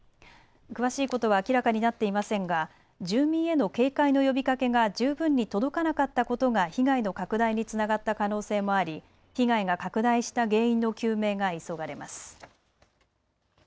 詳しいことは明らかになっていませんが住民への警戒の呼びかけが十分に届かなかったことが被害の拡大につながった可能性もあり被害が拡大した原因の究明が急がれます。